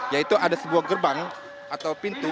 yaitu ada sebuah gerbang atau pintu